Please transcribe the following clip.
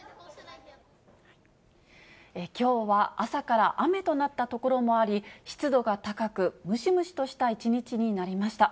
きょうは朝から雨となった所もあり、湿度が高く、ムシムシとした一日となりました。